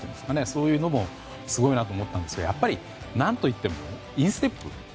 そういうのもすごいなと思ったんですがやっぱり何といってもインステップ。